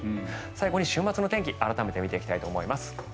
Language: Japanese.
最後に週末の天気改めて見ていきたいと思います。